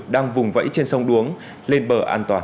đang vùng vẫy trên sông đuống lên bờ an toàn